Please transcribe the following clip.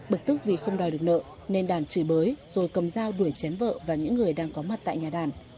bực tức vì không đòi được nợ nên đản trừ bới rồi cầm dao đuổi chén vợ và những người đang có mặt tại nhà đản